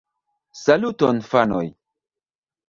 Saluton fanoj